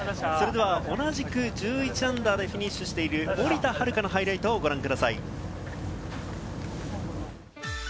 同じく−１１でフィニッシュしている森田遥のハイライトをご覧ください。